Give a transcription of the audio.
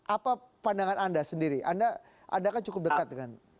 apa pandangan anda sendiri anda kan cukup dekat dengan